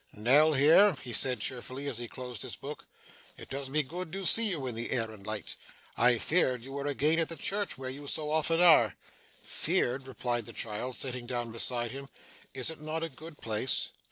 'Nell here?' he said cheerfully, as he closed his book. 'It does me good to see you in the air and light. I feared you were again in the church, where you so often are.' 'Feared!' replied the child, sitting down beside him. 'Is it not a good place?